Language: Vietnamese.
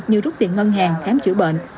như rút tiền ngân hàng khám chữa bệnh